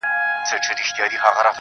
تاته سلام په دواړو لاسو كوم.